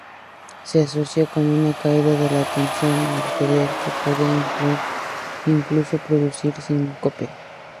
Se asocia con una caída de la tensión arterial, que puede incluso producir síncope.